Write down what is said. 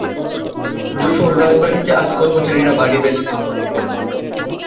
যশোহর রাজবাটিতে আজ কর্মচারীরা ভারি ব্যস্ত।